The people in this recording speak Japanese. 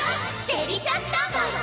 デリシャスタンバイ！